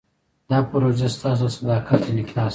دا پروژه ستاسو د صداقت انعکاس دی.